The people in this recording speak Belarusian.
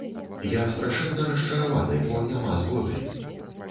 Я страшэнна расчараваны, бо няма згоды.